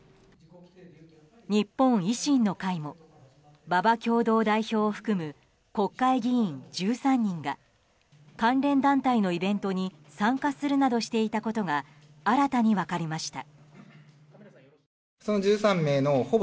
日本維新の会も馬場共同代表を含む国会議員１３人が関連団体のイベントに参加するなどしていたことが新たに分かりました。